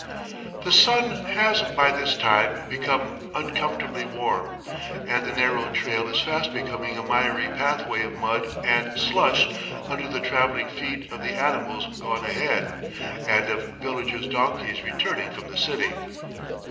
The sun has by this time become uncomfortably warm, and the narrow trail is fast becoming a miry pathway of mud and slush under the trampling feet of the animals gone ahead, and of villagers' donkeys returning from the city.